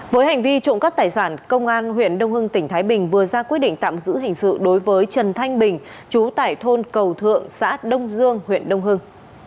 với hành vi trộm cắp tài sản công an huyện đông hưng tỉnh thái bình vừa ra quyết định tạm giữ hình sự đối với trần thanh bình chú tại thôn cầu thượng xã đông dương huyện đông hưng